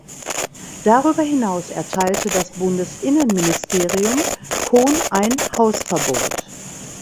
Darüber hinaus erteilte das Bundesinnenministerium Kohn ein Hausverbot.